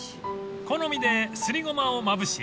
［好みですりごまをまぶし］